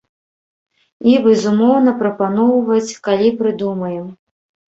І, безумоўна, прапаноўваць, калі прыдумаем.